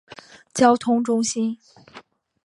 交通中心。